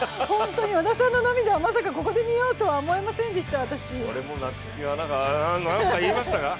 織田さんの涙をまさかここで見ようとは思いませんでした。